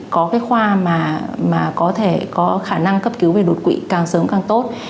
có cái khoa mà có thể có khả năng cấp cứu về đột quỵ càng sớm càng tốt